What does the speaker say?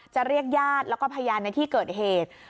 จะเรียกญาติแล้วก็พยานในที่เกิดเหตุ